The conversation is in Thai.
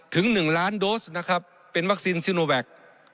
ถึง๑ล้านโดสนะครับเป็นวัคซีนซิโนแวค